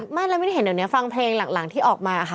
ไม่แล้วไม่ได้เห็นเดี๋ยวนี้ฟังเพลงหลังที่ออกมาค่ะ